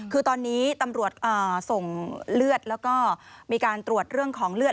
คือตอนนี้ตำรวจส่งเลือดแล้วก็มีการตรวจเรื่องของเลือด